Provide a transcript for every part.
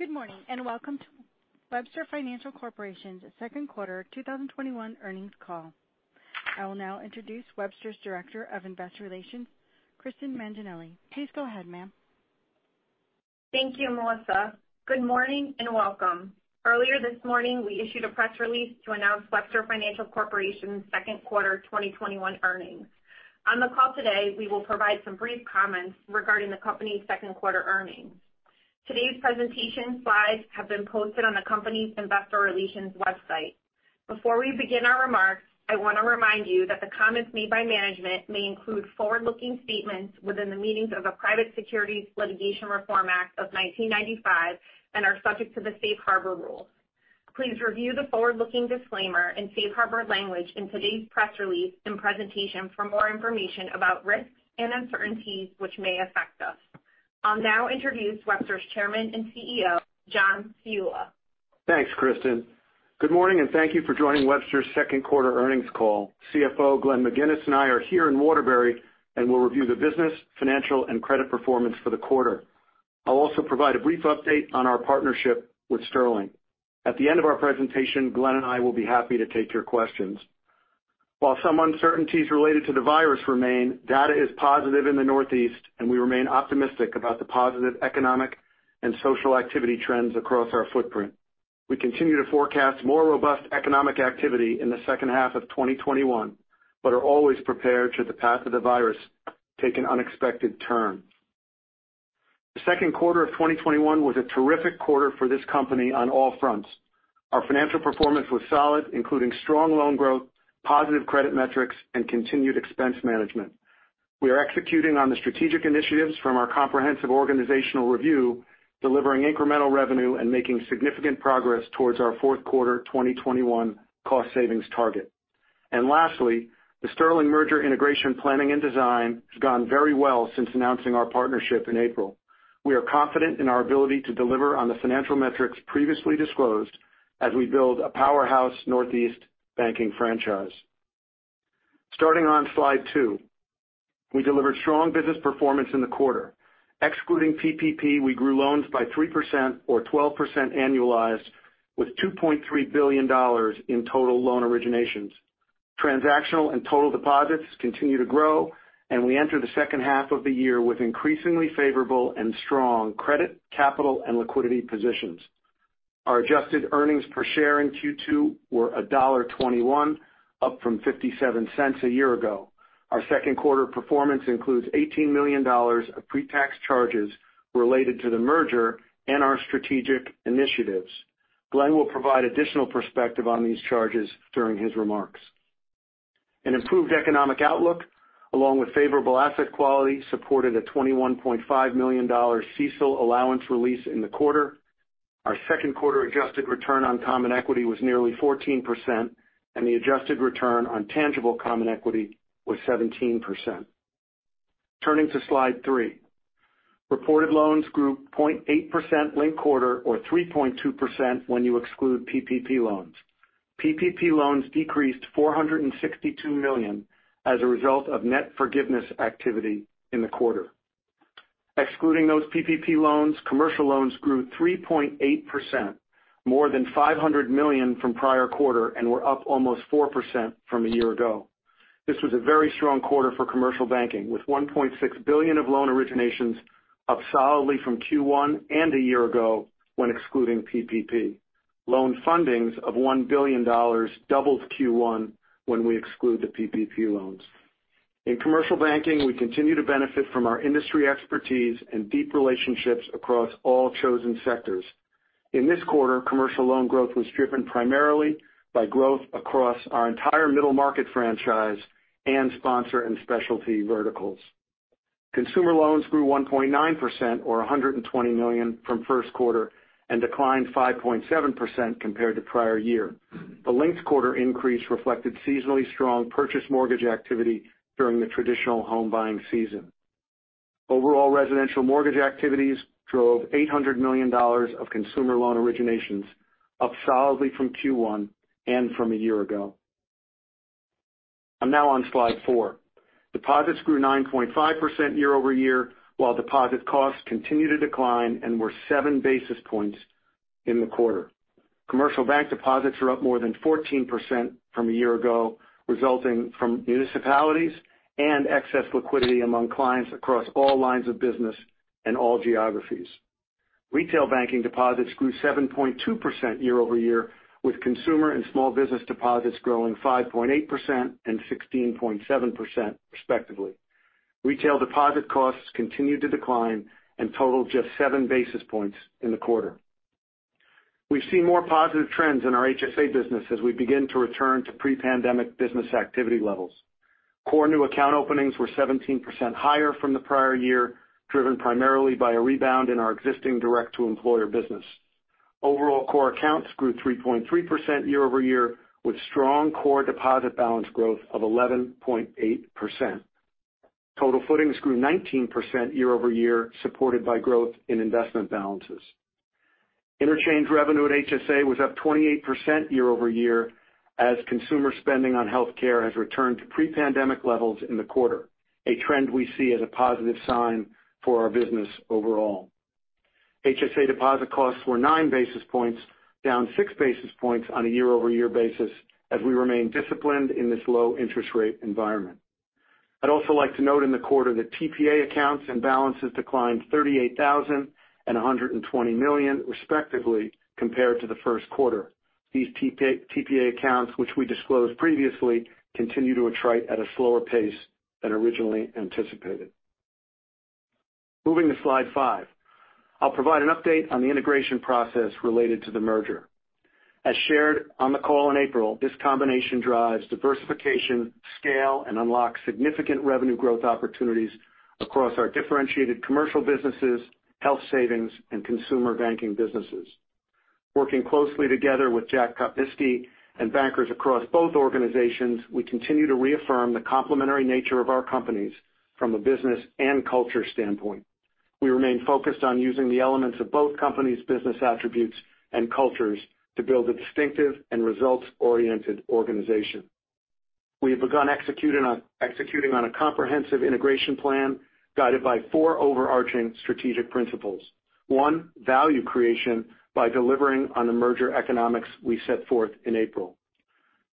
Good morning. Welcome to Webster Financial Corporation's second quarter 2021 earnings call. I will now introduce Webster's Director of Investor Relations, Kristen Manginelli. Please go ahead, ma'am. Thank you, Melissa. Good morning, and welcome. Earlier this morning, we issued a press release to announce Webster Financial Corporation's second quarter 2021 earnings. On the call today, we will provide some brief comments regarding the company's second quarter earnings. Today's presentation slides have been posted on the company's investor relations website. Before we begin our remarks, I want to remind you that the comments made by management may include forward-looking statements within the meanings of the Private Securities Litigation Reform Act of 1995 and are subject to the safe harbor rules. Please review the forward-looking disclaimer and safe harbor language in today's press release and presentation for more information about risks and uncertainties which may affect us. I'll now introduce Webster's Chairman and CEO, John Ciulla. Thanks, Kristen. Good morning, thank you for joining Webster's second quarter earnings call. CFO Glenn MacInnes and I are here in Waterbury, and we'll review the business, financial, and credit performance for the quarter. I'll also provide a brief update on our partnership with Sterling. At the end of our presentation, Glenn and I will be happy to take your questions. While some uncertainties related to the virus remain, data is positive in the Northeast, and we remain optimistic about the positive economic and social activity trends across our footprint. We continue to forecast more robust economic activity in the second half of 2021, are always prepared should the path of the virus take an unexpected turn. The second quarter of 2021 was a terrific quarter for this company on all fronts. Our financial performance was solid, including strong loan growth, positive credit metrics, and continued expense management. We are executing on the strategic initiatives from our comprehensive organizational review, delivering incremental revenue and making significant progress towards our fourth quarter 2021 cost savings target. Lastly, the Sterling merger integration planning and design has gone very well since announcing our partnership in April. We are confident in our ability to deliver on the financial metrics previously disclosed as we build a powerhouse Northeast banking franchise. Starting on slide two, we delivered strong business performance in the quarter. Excluding PPP, we grew loans by 3% or 12% annualized with $2.3 billion in total loan originations. Transactional and total deposits continue to grow, and we enter the second half of the year with increasingly favorable and strong credit, capital, and liquidity positions. Our adjusted earnings per share in Q2 were $1.21, up from $0.57 a year ago. Our second quarter performance includes $18 million of pre-tax charges related to the merger and our strategic initiatives. Glenn will provide additional perspective on these charges during his remarks. An improved economic outlook, along with favorable asset quality, supported a $21.5 million CECL allowance release in the quarter. Our second quarter adjusted return on common equity was nearly 14%, and the adjusted return on tangible common equity was 17%. Turning to slide three, Reported loans grew 0.8% linked quarter, or 3.2% when you exclude PPP loans. PPP loans decreased to $462 million as a result of net forgiveness activity in the quarter. Excluding those PPP loans, commercial loans grew 3.8%, more than $500 million from prior quarter, and were up almost 4% from a year ago. This was a very strong quarter for commercial banking, with $1.6 billion of loan originations up solidly from Q1 and a year ago when excluding PPP. Loan fundings of $1 billion doubled Q1 when we exclude the PPP loans. In commercial banking, we continue to benefit from our industry expertise and deep relationships across all chosen sectors. In this quarter, commercial loan growth was driven primarily by growth across our entire middle market franchise and sponsor and specialty verticals. Consumer loans grew 1.9%, or $120 million, from first quarter and declined 5.7% compared to prior year. The linked quarter increase reflected seasonally strong purchase mortgage activity during the traditional home buying season. Overall residential mortgage activities drove $800 million of consumer loan originations, up solidly from Q1 and from a year ago. I'm now on slide four. Deposits grew 9.5% year-over-year, while deposit costs continued to decline and were 7 basis points in the quarter. Commercial bank deposits are up more than 14% from a year ago, resulting from municipalities and excess liquidity among clients across all lines of business and all geographies. Retail banking deposits grew 7.2% year-over-year, with consumer and small business deposits growing 5.8% and 16.7% respectively. Retail deposit costs continued to decline and totaled just 7 basis points in the quarter. We've seen more positive trends in our HSA business as we begin to return to pre-pandemic business activity levels. Core new account openings were 17% higher from the prior year, driven primarily by a rebound in our existing direct-to-employer business. Overall core accounts grew 3.3% year-over-year, with strong core deposit balance growth of 11.8%. Total footings grew 19% year-over-year, supported by growth in investment balances. Interchange revenue at HSA was up 28% year-over-year as consumer spending on healthcare has returned to pre-pandemic levels in the quarter. A trend we see as a positive sign for our business overall. HSA deposit costs were 9 basis points, down 6 basis points on a year-over-year basis as we remain disciplined in this low interest rate environment. I'd also like to note in the quarter that TPA accounts and balances declined 38,000 and $120 million respectively compared to the first quarter. These TPA accounts, which we disclosed previously, continue to attrite at a slower pace than originally anticipated. Moving to slide five. I'll provide an update on the integration process related to the merger. As shared on the call in April, this combination drives diversification, scale, and unlocks significant revenue growth opportunities across our differentiated commercial businesses, health savings, and consumer banking businesses. Working closely together with Jack Kopnisky and bankers across both organizations, we continue to reaffirm the complementary nature of our companies from a business and culture standpoint. We remain focused on using the elements of both companies' business attributes and cultures to build a distinctive and results-oriented organization. We have begun executing on a comprehensive integration plan guided by four overarching strategic principles. One, value creation by delivering on the merger economics we set forth in April.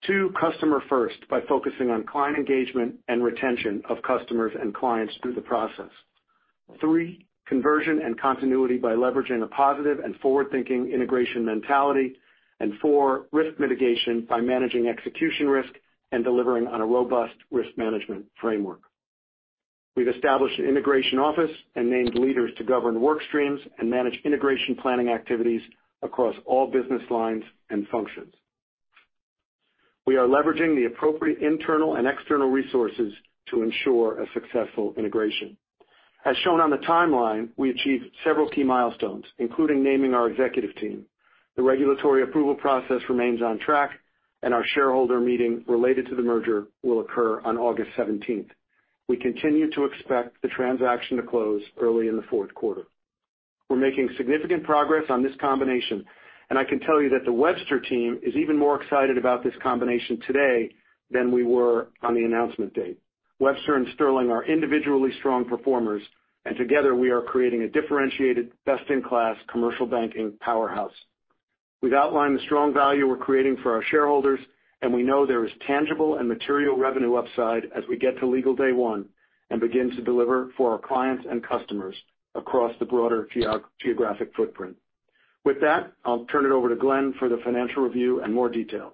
Two, customer first by focusing on client engagement and retention of customers and clients through the process. Three, conversion and continuity by leveraging a positive and forward-thinking integration mentality. Four, risk mitigation by managing execution risk and delivering on a robust risk management framework. We've established an integration office and named leaders to govern work streams and manage integration planning activities across all business lines and functions. We are leveraging the appropriate internal and external resources to ensure a successful integration. As shown on the timeline, we achieved several key milestones, including naming our executive team. The regulatory approval process remains on track, and our shareholder meeting related to the merger will occur on August 17th. We continue to expect the transaction to close early in the fourth quarter. We're making significant progress on this combination, and I can tell you that the Webster team is even more excited about this combination today than we were on the announcement date. Webster and Sterling are individually strong performers, and together we are creating a differentiated, best-in-class commercial banking powerhouse. We've outlined the strong value we're creating for our shareholders, and we know there is tangible and material revenue upside as we get to legal day one and begin to deliver for our clients and customers across the broader geographic footprint. With that, I'll turn it over to Glenn for the financial review and more details.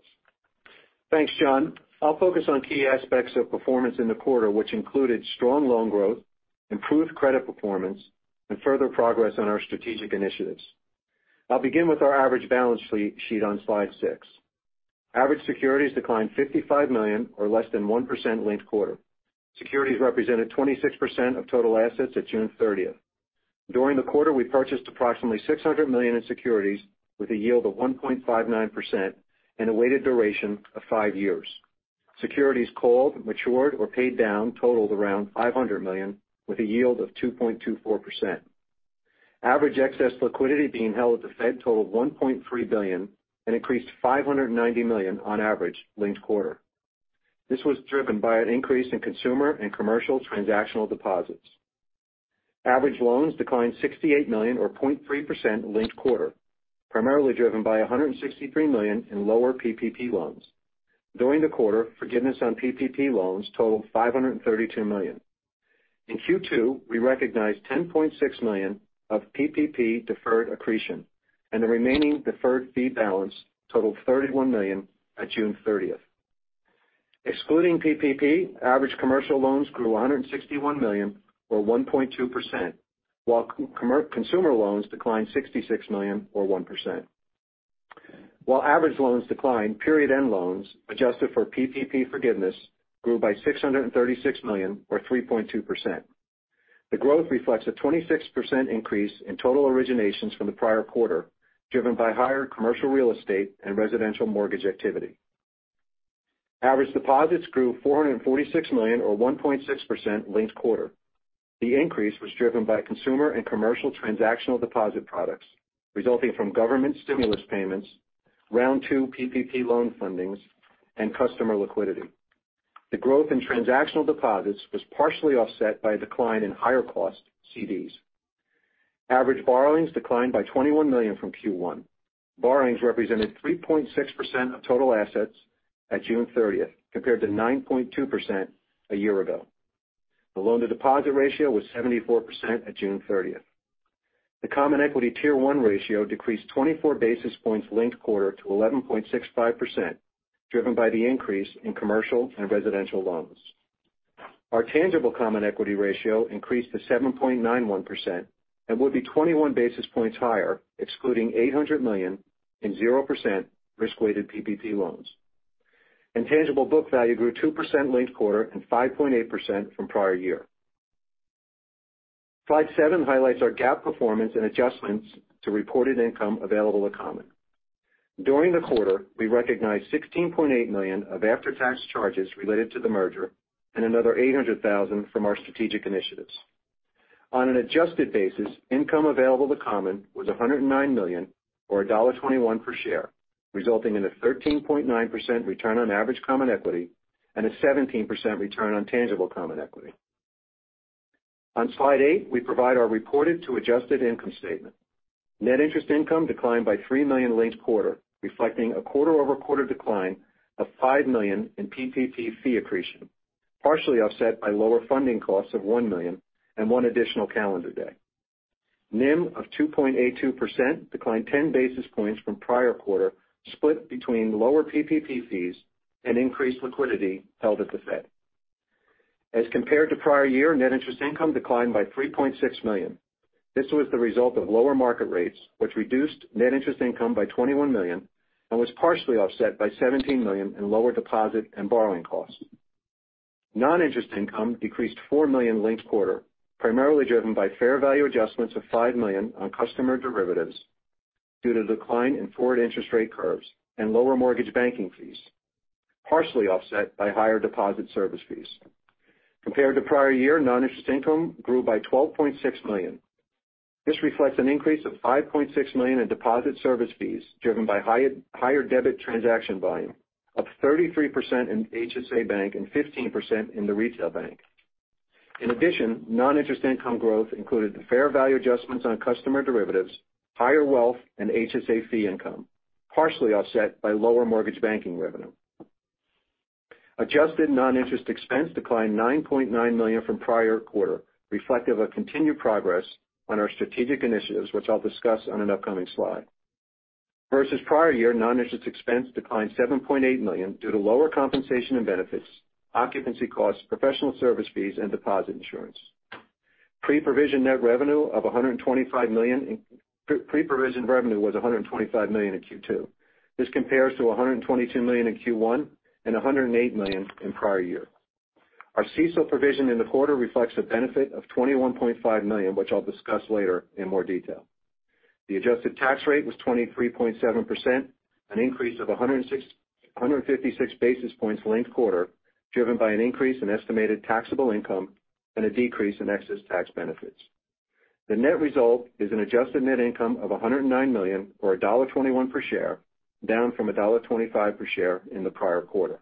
Thanks, John. I'll focus on key aspects of performance in the quarter, which included strong loan growth, improved credit performance, and further progress on our strategic initiatives. I'll begin with our average balance sheet on slide six. Average securities declined $55 million or less than 1% linked quarter. Securities represented 26% of total assets at June 30th. During the quarter, we purchased approximately $600 million in securities with a yield of 1.59% and a weighted duration of five years. Securities called, matured, or paid down totaled around $500 million with a yield of 2.24%. Average excess liquidity being held at the Fed totaled $1.3 billion and increased $590 million on average linked quarter. This was driven by an increase in consumer and commercial transactional deposits. Average loans declined $68 million or 0.3% linked quarter, primarily driven by $163 million in lower PPP loans. During the quarter, forgiveness on PPP loans totaled $532 million. In Q2, we recognized $10.6 million of PPP deferred accretion, and the remaining deferred fee balance totaled $31 million at June 30th. Excluding PPP, average commercial loans grew $161 million or 1.2%, while consumer loans declined $66 million or 1%. While average loans declined, period-end loans, adjusted for PPP forgiveness, grew by $636 million or 3.2%. The growth reflects a 26% increase in total originations from the prior quarter, driven by higher commercial real estate and residential mortgage activity. Average deposits grew $446 million or 1.6% linked quarter. The increase was driven by consumer and commercial transactional deposit products resulting from government stimulus payments, round two PPP loan fundings, and customer liquidity. The growth in transactional deposits was partially offset by a decline in higher cost CDs. Average borrowings declined by $21 million from Q1. Borrowings represented 3.6% of total assets at June 30th, compared to 9.2% a year ago. The loan-to-deposit ratio was 74% at June 30th. The Common Equity Tier 1 ratio decreased 24 basis points linked quarter to 11.65%, driven by the increase in commercial and residential loans. Our tangible common equity ratio increased to 7.91% and would be 21 basis points higher, excluding $800 million in 0% risk-weighted PPP loans. Tangible book value grew 2% linked quarter and 5.8% from prior year. Slide seven highlights our GAAP performance and adjustments to reported income available at common. During the quarter, we recognized $16.8 million of after-tax charges related to the merger and another $800,000 from our strategic initiatives. On an adjusted basis, income available to common was $109 million or $1.21 per share, resulting in a 13.9% return on average common equity and a 17% return on tangible common equity. On slide eight, we provide our reported to adjusted income statement. Net interest income declined by $3 million linked quarter, reflecting a quarter-over-quarter decline of $5 million in PPP fee accretion, partially offset by lower funding costs of $1 million and one additional calendar day. NIM of 2.82% declined 10 basis points from prior quarter, split between lower PPP fees and increased liquidity held at the Fed. As compared to prior year, net interest income declined by $3.6 million. This was the result of lower market rates, which reduced net interest income by $21 million and was partially offset by $17 million in lower deposit and borrowing costs. Non-interest income decreased $4 million linked quarter, primarily driven by fair value adjustments of $5 million on customer derivatives due to decline in forward interest rate curves and lower mortgage banking fees, partially offset by higher deposit service fees. Compared to prior year, non-interest income grew by $12.6 million. This reflects an increase of $5.6 million in deposit service fees, driven by higher debit transaction volume of 33% in HSA Bank and 15% in the retail bank. In addition, non-interest income growth included the fair value adjustments on customer derivatives, higher wealth and HSA fee income, partially offset by lower mortgage banking revenue. Adjusted non-interest expense declined $9.9 million from prior quarter, reflective of continued progress on our strategic initiatives, which I'll discuss on an upcoming slide. Versus prior year, non-interest expense declined $7.8 million due to lower compensation and benefits, occupancy costs, professional service fees, and deposit insurance. Pre-provision revenue was $125 million in Q2. This compares to $122 million in Q1 and $108 million in prior year. Our CECL provision in the quarter reflects a benefit of $21.5 million, which I'll discuss later in more detail. The adjusted tax rate was 23.7%, an increase of 156 basis points linked quarter, driven by an increase in estimated taxable income and a decrease in excess tax benefits. The net result is an adjusted net income of $109 million, or $1.21 per share, down from $1.25 per share in the prior quarter.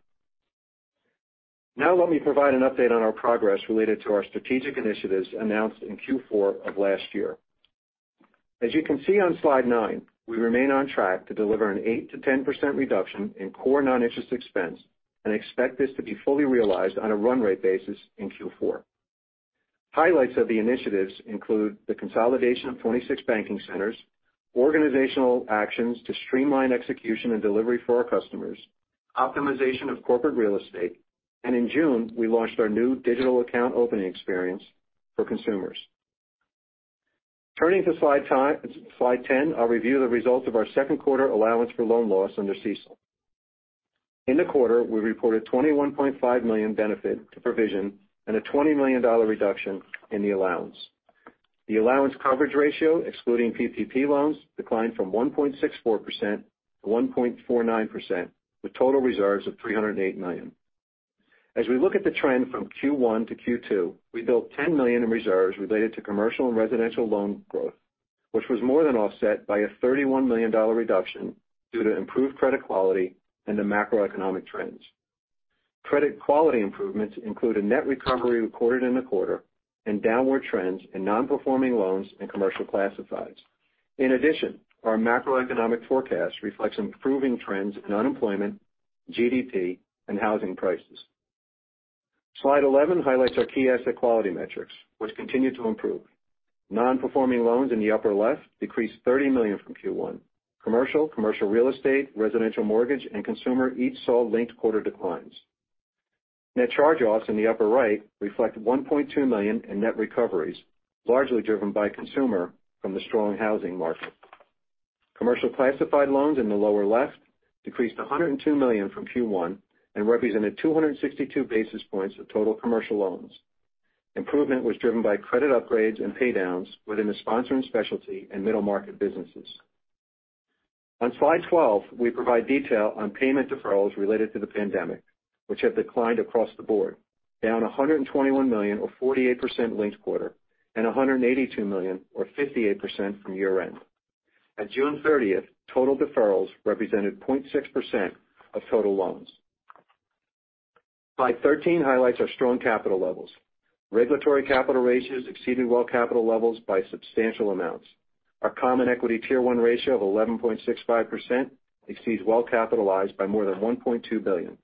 Now let me provide an update on our progress related to our strategic initiatives announced in Q4 of last year. As you can see on slide nine, we remain on track to deliver an 8%-10% reduction in core non-interest expense and expect this to be fully realized on a run rate basis in Q4. Highlights of the initiatives include the consolidation of 26 banking centers, organizational actions to streamline execution and delivery for our customers, optimization of corporate real estate, and in June, we launched our new digital account opening experience for consumers. Turning to slide 10, I'll review the results of our second quarter allowance for loan loss under CECL. In the quarter, we reported $21.5 million benefit to provision and a $20 million reduction in the allowance. The allowance coverage ratio, excluding PPP loans, declined from 1.64% to 1.49%, with total reserves of $308 million. As we look at the trend from Q1 to Q2, we built $10 million in reserves related to commercial and residential loan growth, which was more than offset by a $31 million reduction due to improved credit quality and the macroeconomic trends. Credit quality improvements include a net recovery recorded in the quarter and downward trends in non-performing loans and commercial classifieds. In addition, our macroeconomic forecast reflects improving trends in unemployment, GDP, and housing prices. Slide 11 highlights our key asset quality metrics, which continue to improve. Non-performing loans in the upper left decreased $30 million from Q1. Commercial, commercial real estate, residential mortgage, and consumer each saw linked quarter declines. Net charge-offs in the upper right reflect $1.2 million in net recoveries, largely driven by consumer from the strong housing market. Commercial classified loans in the lower left decreased $102 million from Q1 and represented 262 basis points of total commercial loans. Improvement was driven by credit upgrades and paydowns within the sponsor and specialty and middle market businesses. On slide 12, we provide detail on payment deferrals related to the pandemic, which have declined across the board, down $121 million or 48% linked quarter and $182 million or 58% from year-end. At June 30th, total deferrals represented 0.6% of total loans. Slide 13 highlights our strong capital levels. Regulatory capital ratios exceeding well capital levels by substantial amounts. Our Common Equity Tier 1 ratio of 11.65% exceeds well-capitalized by more than $1.2 billion.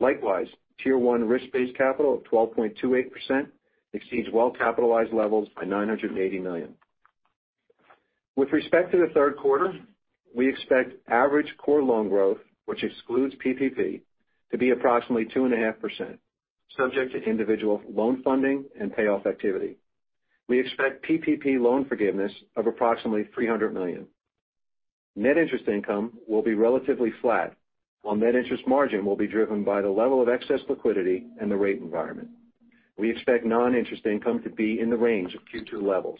Likewise, Tier 1 risk-based capital of 12.28% exceeds well-capitalized levels by $980 million. With respect to the third quarter, we expect average core loan growth, which excludes PPP, to be approximately 2.5%, subject to individual loan funding and payoff activity. We expect PPP loan forgiveness of approximately $300 million. Net interest income will be relatively flat, while net interest margin will be driven by the level of excess liquidity and the rate environment. We expect non-interest income to be in the range of Q2 levels.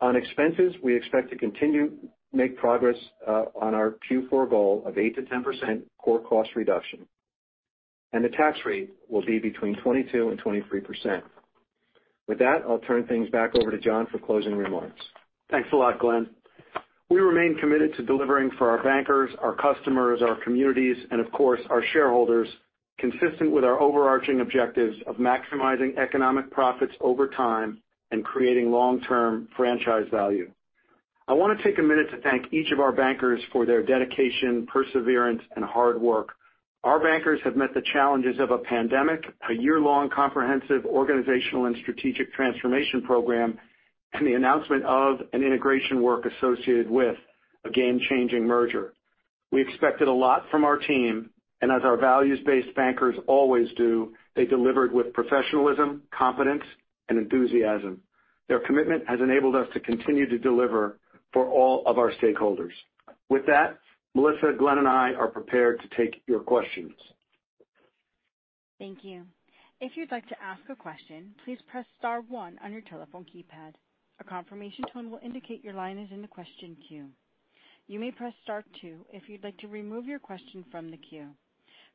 On expenses, we expect to continue to make progress on our Q4 goal of 8%-10% core cost reduction. The tax rate will be between 22% and 23%. With that, I'll turn things back over to John for closing remarks. Thanks a lot, Glenn. We remain committed to delivering for our bankers, our customers, our communities, and of course, our shareholders, consistent with our overarching objectives of maximizing economic profits over time and creating long-term franchise value. I want to take a minute to thank each of our bankers for their dedication, perseverance, and hard work. Our bankers have met the challenges of a pandemic, a year-long comprehensive organizational and strategic transformation program, and the announcement of an integration work associated with a game-changing merger. We expected a lot from our team, and as our values-based bankers always do, they delivered with professionalism, competence, and enthusiasm. Their commitment has enabled us to continue to deliver for all of our stakeholders. With that, Melissa, Glenn, and I are prepared to take your questions. Thank you. If you'd like to ask a question, please press star one on your telephone keypad. A confirmation tone will indicate your line is in the question queue. You may press star two if you'd like to remove your question from the queue.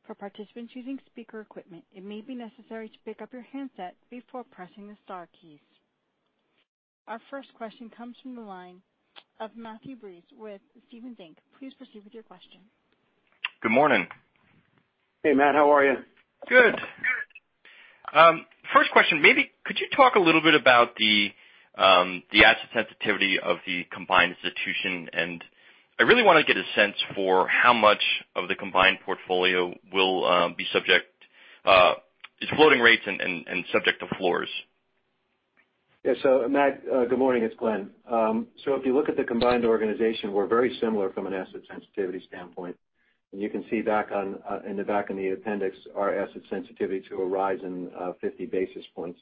For participants using speaker equipment, it may be necessary to pick up your handset before pressing the star keys. Our first question comes from the line of Matthew Breese with Stephens Inc. Please proceed with your question. Good morning. Hey, Matt. How are you? Good. First question, maybe could you talk a little bit about the asset sensitivity of the combined institution? I really want to get a sense for how much of the combined portfolio is floating rates and subject to floors. Yeah. Matthew, good morning. It's Glenn. If you look at the combined organization, we're very similar from an asset sensitivity standpoint. You can see in the back in the appendix, our asset sensitivity to a rise in 50 basis points.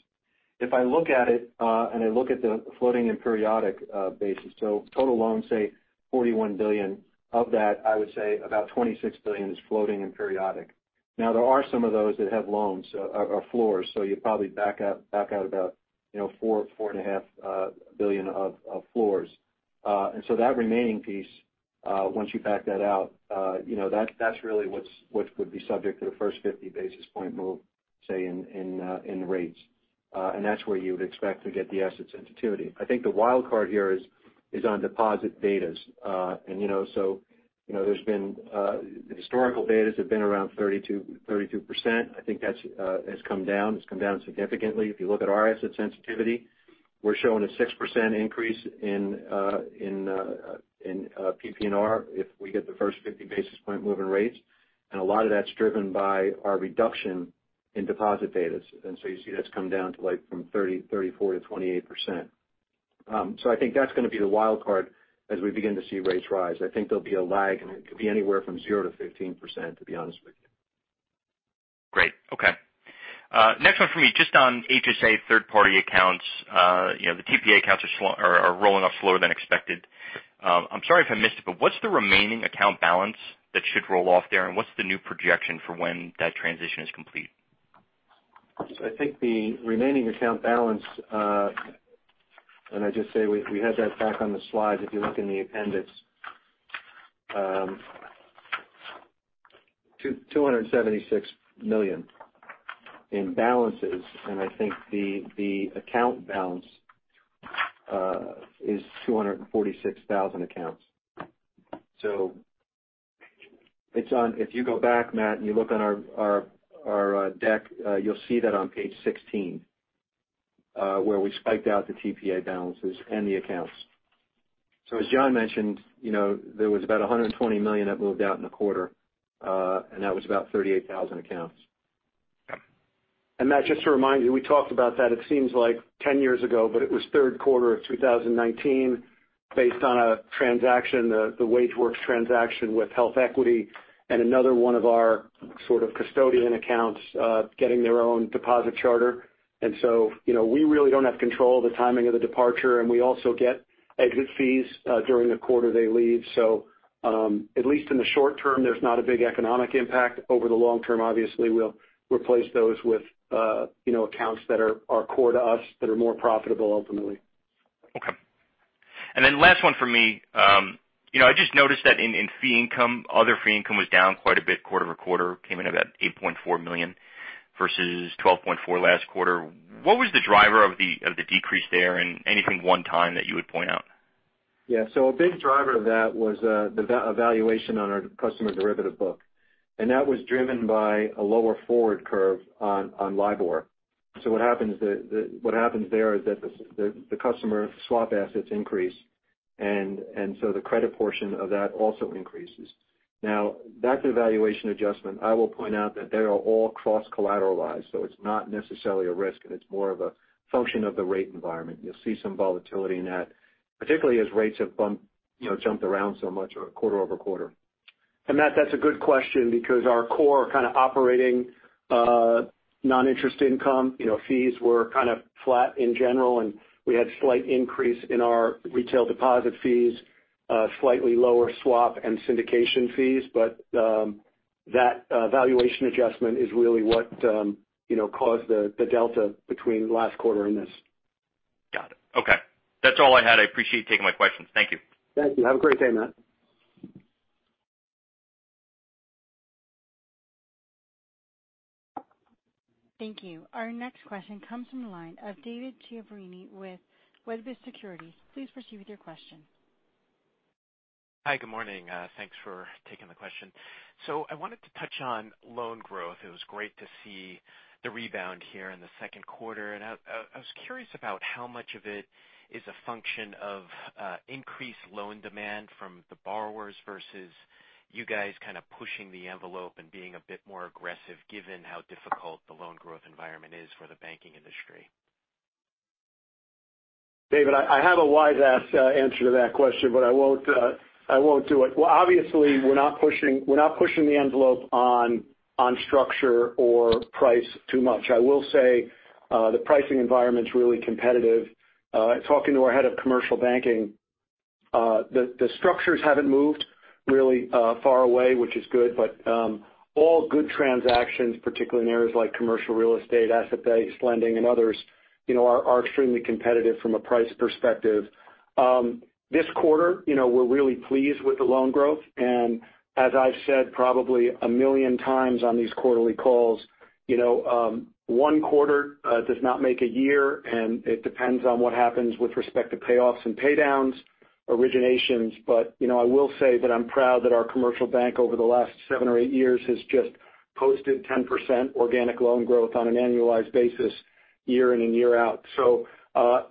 If I look at it, and I look at the floating and periodic basis, total loans, say $41 billion. Of that, I would say about $26 billion is floating and periodic. Now, there are some of those that have loans or floors. You probably back out about $4 billion-$4.5 billion of floors. That remaining piece, once you back that out, that's really what would be subject to the first 50 basis point move, say, in the rates. That's where you would expect to get the asset sensitivity. I think the wild card here is on deposit betas. The historical betas have been around 32%. I think that has come down. It's come down significantly. If you look at our asset sensitivity, we're showing a 6% increase in PPNR if we get the first 50 basis point move in rates, and a lot of that's driven by our reduction in deposit betas. You see that's come down from 34%-28%. I think that's going to be the wild card as we begin to see rates rise. I think there'll be a lag and it could be anywhere from 0%-15%, to be honest with you. Great. Okay. Next one for me, just on HSA third-party accounts. The TPA accounts are rolling off slower than expected. I'm sorry if I missed it, but what's the remaining account balance that should roll off there? What's the new projection for when that transition is complete? I think the remaining account balance, we had that back on the slides, if you look in the appendix, $276 million in balances. I think the account balance is 246,000 accounts. If you go back, Matt, and you look on our deck, you'll see that on page 16 where we spiked out the TPA balances and the accounts. As John mentioned, there was about $120 million that moved out in a quarter, and that was about 38,000 accounts. Matt, just to remind you, we talked about that it seems like 10 years ago, but it was third quarter of 2019 based on a transaction, the WageWorks transaction with HealthEquity and another 1 of our sort of custodian accounts getting their own deposit charter. We really don't have control of the timing of the departure, and we also get exit fees during the quarter they leave. At least in the short term, there's not a big economic impact. Over the long term, obviously, we'll replace those with accounts that are core to us that are more profitable ultimately. Okay. Last one for me. I just noticed that in fee income, other fee income was down quite a bit quarter-over-quarter. Came in about $8.4 million versus $12.4 last quarter. What was the driver of the decrease there? Anything one-time that you would point out? Yeah. A big driver of that was the valuation on our customer derivative book. That was driven by a lower forward curve on LIBOR. What happens there is that the customer swap assets increase, and so the credit portion of that also increases. Now, that valuation adjustment, I will point out that they are all cross-collateralized, so it's not necessarily a risk, and it's more of a function of the rate environment. You'll see some volatility in that, particularly as rates have jumped around so much quarter-over-quarter. Matt, that's a good question because our core kind of operating non-interest income fees were kind of flat in general, and we had slight increase in our retail deposit fees, slightly lower swap and syndication fees. That valuation adjustment is really what caused the delta between last quarter and this. Okay. That's all I had. I appreciate you taking my questions. Thank you. Thank you. Have a great day, Matt. Thank you. Our next question comes from the line of David Chiaverini with Wedbush Securities. Please proceed with your question. Hi, good morning. Thanks for taking the question. I wanted to touch on loan growth. It was great to see the rebound here in the second quarter. I was curious about how much of it is a function of increased loan demand from the borrowers versus you guys pushing the envelope and being a bit more aggressive, given how difficult the loan growth environment is for the banking industry. David, I have a wise-ass answer to that question. I won't do it. Well, obviously, we're not pushing the envelope on structure or price too much. I will say the pricing environment's really competitive. Talking to our head of commercial banking, the structures haven't moved really far away, which is good. All good transactions, particularly in areas like commercial real estate, asset-based lending, and others, are extremely competitive from a price perspective. This quarter, we're really pleased with the loan growth. As I've said probably a million times on these quarterly calls, one quarter does not make a year, and it depends on what happens with respect to payoffs and paydowns, originations. I will say that I'm proud that our commercial bank over the last seven or eight years has just posted 10% organic loan growth on an annualized basis year in and year out.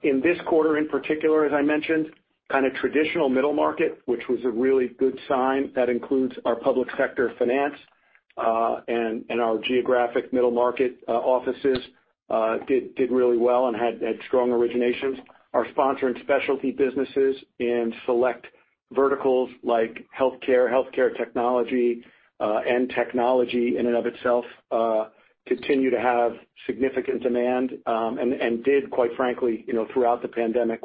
In this quarter in particular, as I mentioned, kind of traditional middle market, which was a really good sign. That includes our public sector finance. Our geographic middle market offices did really well and had strong originations. Our sponsor and specialty businesses in select verticals like healthcare technology, and technology in and of itself continue to have significant demand. Did, quite frankly, throughout the pandemic,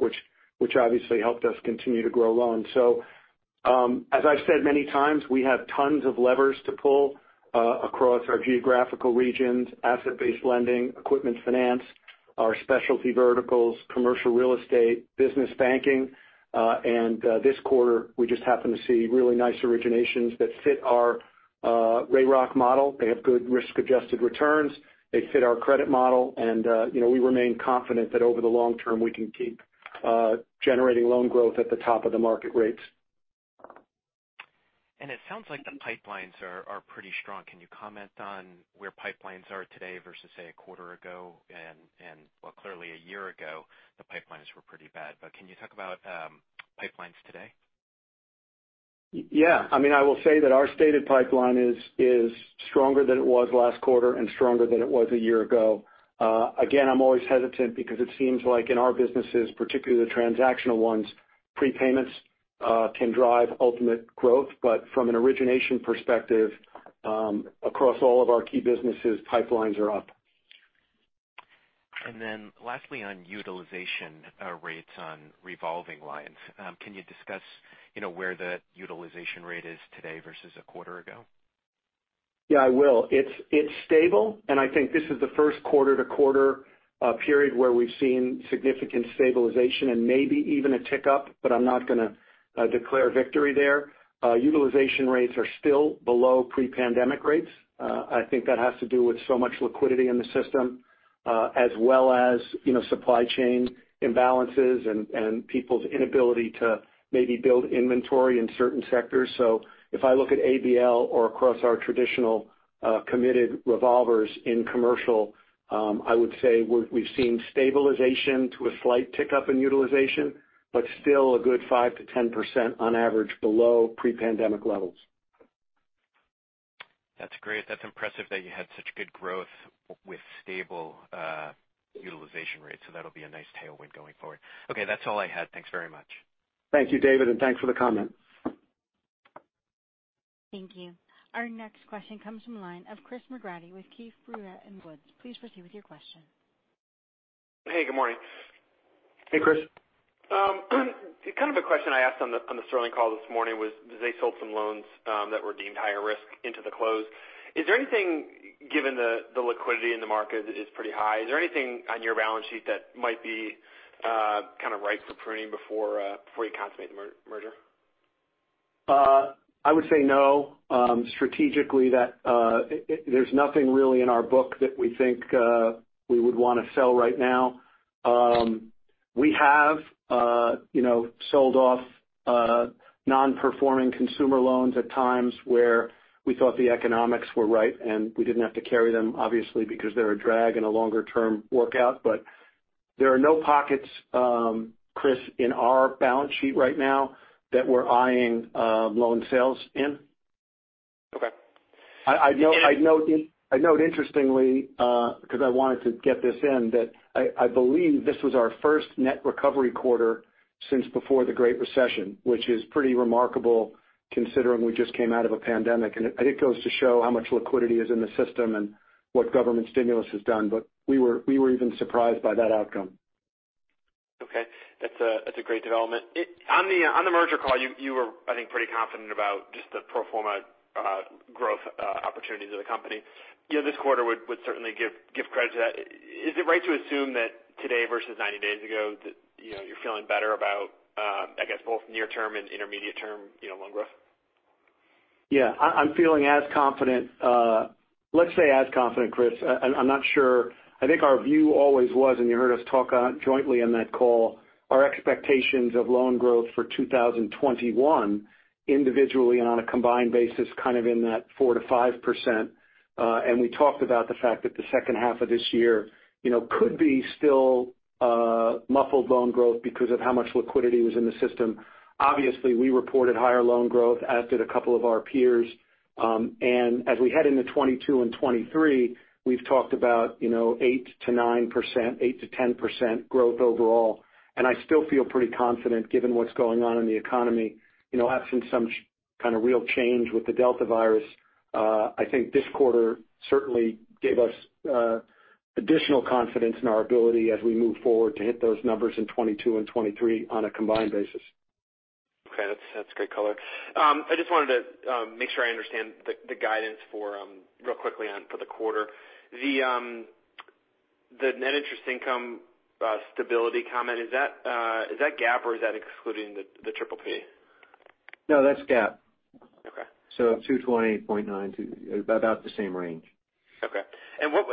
which obviously helped us continue to grow loans. As I've said many times, we have tons of levers to pull across our geographical regions, asset-based lending, equipment finance, our specialty verticals, commercial real estate, business banking. This quarter, we just happened to see really nice originations that fit our RAROC model. They have good risk-adjusted returns. They fit our credit model, and we remain confident that over the long term, we can keep generating loan growth at the top of the market rates. It sounds like the pipelines are pretty strong. Can you comment on where pipelines are today versus, say, a quarter ago? Well, clearly a year ago, the pipelines were pretty bad. Can you talk about pipelines today? Yeah. I will say that our stated pipeline is stronger than it was last quarter and stronger than it was a year ago. Again, I'm always hesitant because it seems like in our businesses, particularly the transactional ones, prepayments can drive ultimate growth. From an origination perspective, across all of our key businesses, pipelines are up. Lastly, on utilization rates on revolving lines. Can you discuss where the utilization rate is today versus a quarter ago? Yeah, I will. It's stable, and I think this is the first quarter-to-quarter period where we've seen significant stabilization and maybe even a tick up, but I'm not going to declare victory there. Utilization rates are still below pre-pandemic rates. I think that has to do with so much liquidity in the system as well as supply chain imbalances and people's inability to maybe build inventory in certain sectors. If I look at ABL or across our traditional committed revolvers in commercial, I would say we've seen stabilization to a slight tick-up in utilization, but still a good 5%-10% on average below pre-pandemic levels. That's great. That's impressive that you had such good growth with stable utilization rates. That'll be a nice tailwind going forward. Okay, that's all I had. Thanks very much. Thank you, David, and thanks for the comment. Thank you. Our next question comes from the line of Chris McGratty with Keefe, Bruyette & Woods. Please proceed with your question. Hey, good morning. Hey, Chris. Kind of a question I asked on the Sterling call this morning was, they sold some loans that were deemed higher risk into the close. Given the liquidity in the market is pretty high, is there anything on your balance sheet that might be ripe for pruning before you consummate the merger? I would say no. Strategically, there's nothing really in our book that we think we would want to sell right now. We have sold off non-performing consumer loans at times where we thought the economics were right, and we didn't have to carry them, obviously, because they're a drag in a longer-term workout. There are no pockets, Chris, in our balance sheet right now that we're eyeing loan sales in. Okay. I'd note interestingly, because I wanted to get this in, that I believe this was our first net recovery quarter since before the Great Recession, which is pretty remarkable considering we just came out of a pandemic. It goes to show how much liquidity is in the system and what government stimulus has done. We were even surprised by that outcome. Okay. That's a great development. On the merger call, you were, I think, pretty confident about just the pro forma growth opportunities of the company. This quarter would certainly give credit to that. Is it right to assume that today versus 90 days ago, that you're feeling better about both near-term and intermediate-term loan growth? Yeah. I'm feeling as confident, let's say, as confident, Chris. I'm not sure. I think our view always was, and you heard us talk jointly on that call, our expectations of loan growth for 2021 individually and on a combined basis kind of in that 4%-5%. We talked about the fact that the second half of this year could be still muffled loan growth because of how much liquidity was in the system. Obviously, we reported higher loan growth, as did a couple of our peers. As we head into 2022 and 2023, we've talked about 8%-9%, 8%-10% growth overall. I still feel pretty confident given what's going on in the economy. Having some kind of real change with the Delta virus, I think this quarter certainly gave us additional confidence in our ability as we move forward to hit those numbers in 2022 and 2023 on a combined basis. Okay. That's great color. I just wanted to make sure I understand the guidance real quickly on for the quarter. The net interest income stability comment, is that GAAP or is that excluding the PPP? No, that's GAAP. Okay. 220.9 to about the same range. Okay.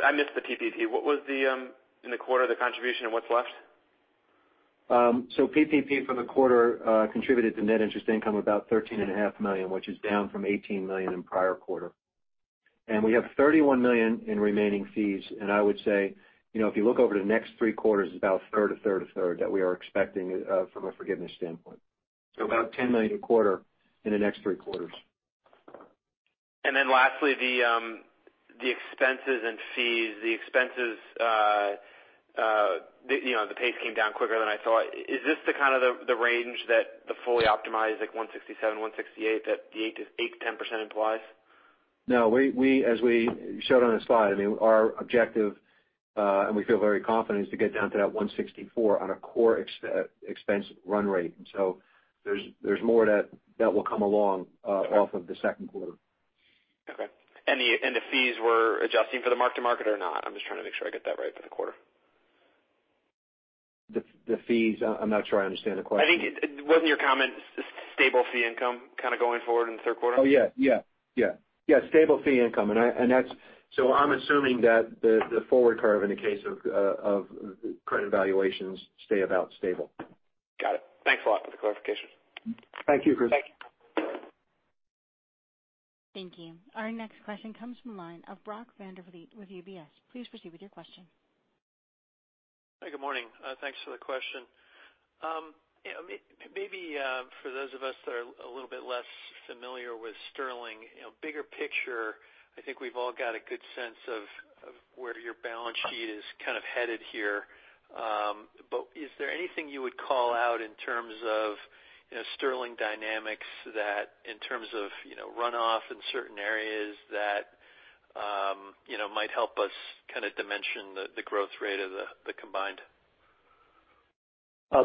I missed the PPP. What was the, in the quarter, the contribution and what's left? PPP for the quarter contributed to net interest income about $13.5 million, which is down from $18 million in prior quarter. We have $31 million in remaining fees. I would say, if you look over the next three quarters, it's about a third, a third, a third that we are expecting from a forgiveness standpoint. About $10 million a quarter in the next three quarters. Lastly, the expenses and fees. The expenses, the pace came down quicker than I thought. Is this the kind of the range that the fully optimized like 167, 168, that the 8%-10% implies? No. As we showed on the slide, our objective, and we feel very confident, is to get down to that 164 on a core expense run rate. There's more that will come along off of the second quarter. Okay. The fees were adjusting for the mark to market or not? I'm just trying to make sure I get that right for the quarter. The fees, I'm not sure I understand the question. I think wasn't your comment stable fee income kind of going forward in the third quarter? Oh, yeah. Stable fee income. I'm assuming that the forward curve in the case of credit valuations stay about stable. Got it. Thanks a lot for the clarification. Thank you, Chris. Thank you. Thank you. Our next question comes from the line of Brock Vandervliet with UBS. Please proceed with your question. Hi. Good morning. Thanks for the question. Maybe for those of us that are a little bit less familiar with Sterling, bigger picture, I think we've all got a good sense of where your balance sheet is kind of headed here. Is there anything you would call out in terms of Sterling dynamics that in terms of runoff in certain areas that might help us kind of dimension the growth rate of the combined?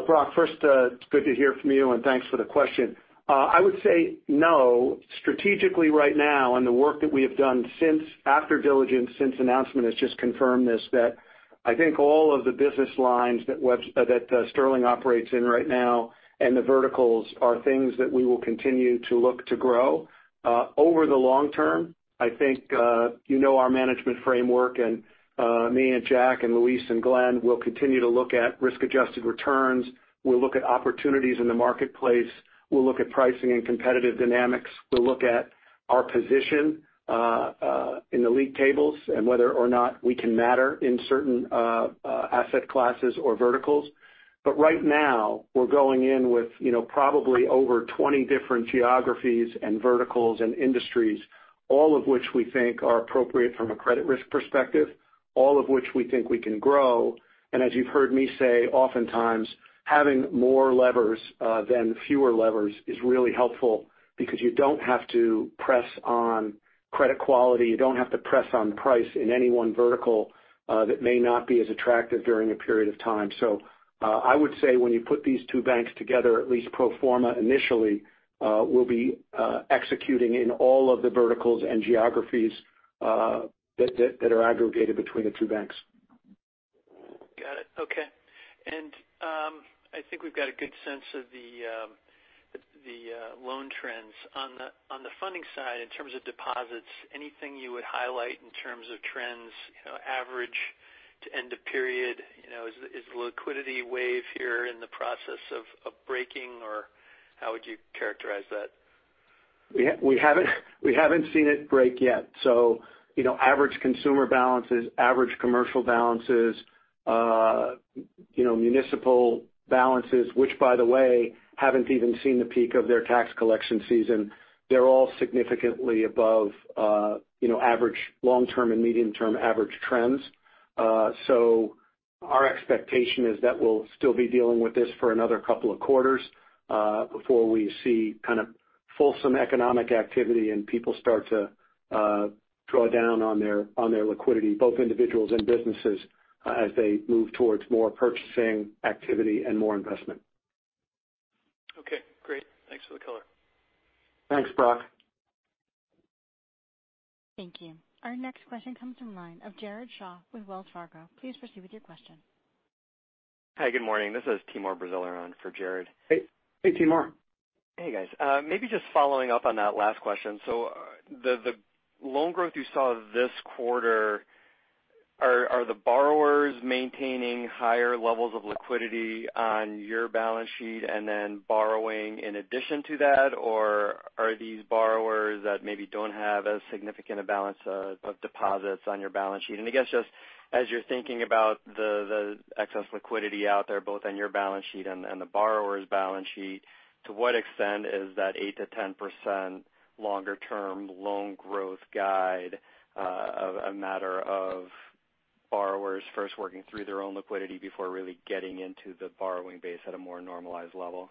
Brock, first, it's good to hear from you, and thanks for the question. I would say no. Strategically right now the work that we have done since after diligence, since announcement, has just confirmed this, that I think all of the business lines that Sterling operates in right now and the verticals are things that we will continue to look to grow. Over the long term, I think you know our management framework and me and Jack and Luis and Glenn will continue to look at risk-adjusted returns. We'll look at opportunities in the marketplace. We'll look at pricing and competitive dynamics. We'll look at our position in the league tables and whether or not we can matter in certain asset classes or verticals. Right now, we're going in with probably over 20 different geographies and verticals and industries, all of which we think are appropriate from a credit risk perspective, all of which we think we can grow. As you've heard me say, oftentimes, having more levers than fewer levers is really helpful because you don't have to press on credit quality. You don't have to press on price in any one vertical that may not be as attractive during a period of time. I would say when you put these two banks together, at least pro forma initially, we'll be executing in all of the verticals and geographies that are aggregated between the two banks. Got it. Okay. I think we've got a good sense of the loan trends. On the funding side, in terms of deposits, anything you would highlight in terms of trends average to end of period? Is the liquidity wave here in the process of breaking, or how would you characterize that? We haven't seen it break yet. Average consumer balances, average commercial balances, municipal balances, which by the way, haven't even seen the peak of their tax collection season. They're all significantly above long-term and medium-term average trends. Our expectation is that we'll still be dealing with this for another couple of quarters before we see kind of fulsome economic activity and people start to draw down on their liquidity, both individuals and businesses, as they move towards more purchasing activity and more investment. Okay. Great. Thanks for the color. Thanks, Brock. Thank you. Our next question comes from line of Jared Shaw with Wells Fargo. Please proceed with your question. Hi, good morning. This is Timur Braziler on for Jared. Hey, Timur. Hey, guys. Maybe just following up on that last question. The loan growth you saw this quarter, are the borrowers maintaining higher levels of liquidity on your balance sheet and then borrowing in addition to that, or are these borrowers that maybe don't have as significant a balance of deposits on your balance sheet? I guess just as you're thinking about the excess liquidity out there, both on your balance sheet and the borrower's balance sheet, to what extent is that 8%-10% longer-term loan growth guide a matter of borrowers first working through their own liquidity before really getting into the borrowing base at a more normalized level?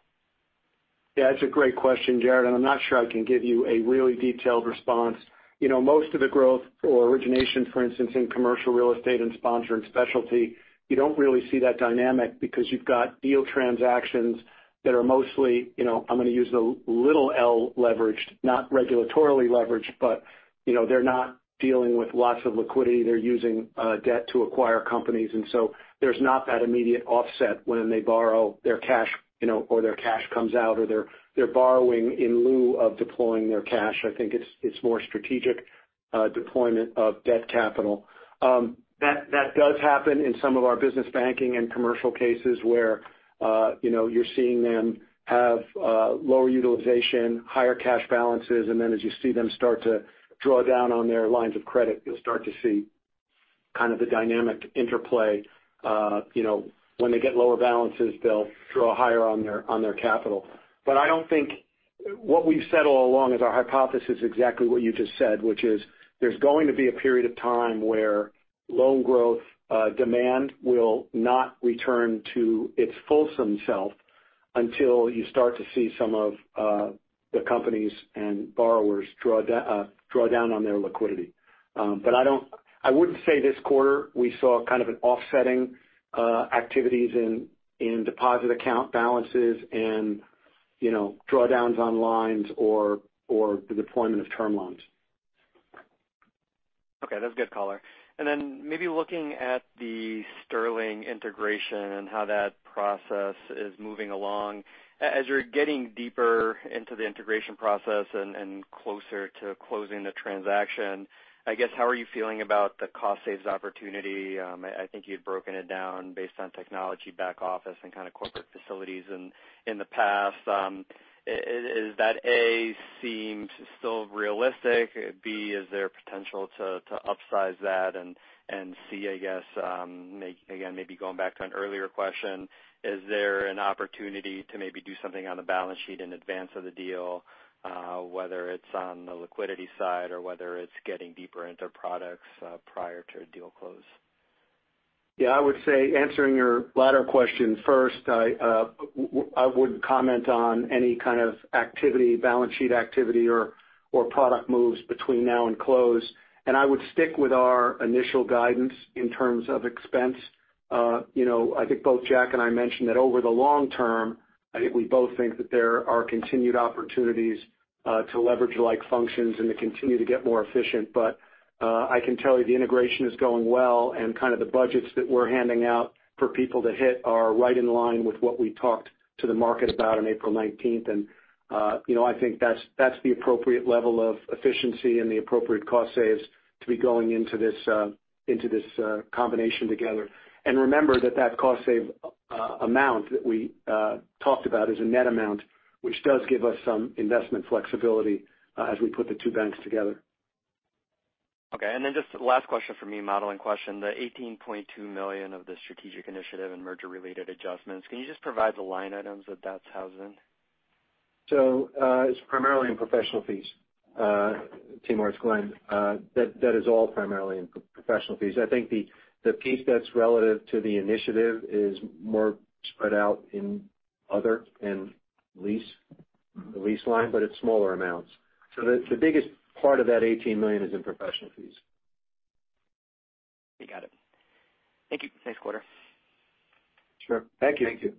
Yeah, it's a great question, Jared. I'm not sure I can give you a really detailed response. Most of the growth or origination, for instance, in commercial real estate and sponsor and specialty, you don't really see that dynamic because you've got deal transactions that are mostly, I'm going to use the little L leveraged, not regulatorily leveraged, but they're not dealing with lots of liquidity. They're using debt to acquire companies, there's not that immediate offset when they borrow their cash or their cash comes out, or they're borrowing in lieu of deploying their cash. I think it's more strategic deployment of debt capital. That does happen in some of our business banking and commercial cases where you're seeing them have lower utilization, higher cash balances, and then as you see them start to draw down on their lines of credit, you'll start to see kind of the dynamic interplay. When they get lower balances, they'll draw higher on their capital. What we've said all along is our hypothesis exactly what you just said, which is there's going to be a period of time where loan growth demand will not return to its fulsome self until you start to see some of the companies and borrowers draw down on their liquidity. I wouldn't say this quarter we saw kind of an offsetting activities in deposit account balances and drawdowns on lines or the deployment of term loans. Okay. That's a good color. Then maybe looking at the Sterling integration and how that process is moving along. As you're getting deeper into the integration process and closer to closing the transaction, I guess, how are you feeling about the cost saves opportunity? I think you'd broken it down based on technology back office and kind of corporate facilities in the past. Does that, A, seem still realistic? B, is there potential to upsize that? C, I guess, again, maybe going back to an earlier question, is there an opportunity to maybe do something on the balance sheet in advance of the deal, whether it's on the liquidity side or whether it's getting deeper into products prior to a deal close? Yeah, I would say answering your latter question first, I wouldn't comment on any kind of activity, balance sheet activity or product moves between now and close, and I would stick with our initial guidance in terms of expense. I think both Jack and I mentioned that over the long term, I think we both think that there are continued opportunities to leverage like functions and to continue to get more efficient. I can tell you the integration is going well and kind of the budgets that we're handing out for people to hit are right in line with what we talked to the market about on April 19th. I think that's the appropriate level of efficiency and the appropriate cost saves to be going into this combination together. Remember that cost save amount that we talked about is a net amount, which does give us some investment flexibility as we put the two banks together. Okay. Just last question for me, modeling question. The $18.2 million of the strategic initiative and merger-related adjustments, can you just provide the line items that that's housed in? It's primarily in professional fees. Timur, it's Glenn. That is all primarily in professional fees. I think the piece that's relative to the initiative is more spread out in other and lease line, but it's smaller amounts. The biggest part of that $18 million is in professional fees. You got it. Thank you. Thanks, Chris. Sure. Thank you. Thank you.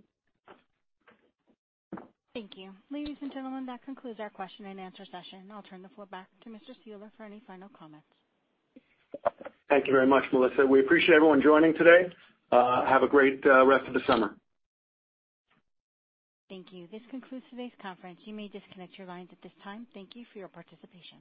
Thank you. Ladies and gentlemen, that concludes our question and answer session. I'll turn the floor back to Mr. Ciulla for any final comments. Thank you very much, Melissa. We appreciate everyone joining today. Have a great rest of the summer. Thank you. This concludes today's conference. You may disconnect your lines at this time. Thank you for your participation.